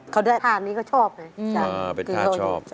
เขาด้วยท่านี้ก็ชอบไหม